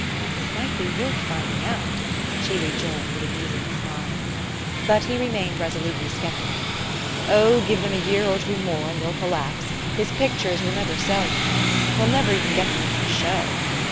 "It might be worth finding out," she rejoined with a musing smile. But he remained resolutely skeptical. "Oh, give them a year or two more and they'll collapse ! His pictures will never sell, you know. He'll never even get them into a show."